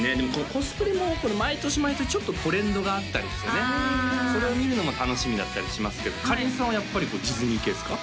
コスプレも毎年毎年トレンドがあったりしてねそれを見るのも楽しみだったりしますけどかりんさんはやっぱりディズニー系ですか？